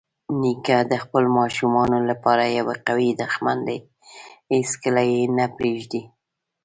نیکه د خپلو ماشومانو لپاره یوه قوي دښمن دی چې هیڅکله یې نه پرېږدي.